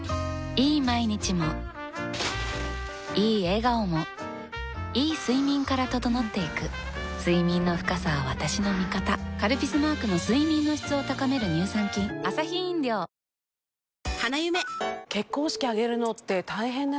いい毎日もいい笑顔もいい睡眠から整っていく睡眠の深さは私の味方「カルピス」マークの睡眠の質を高める乳酸菌メイク